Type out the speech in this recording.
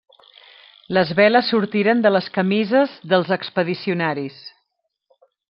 Les veles sortiren de les camises dels expedicionaris.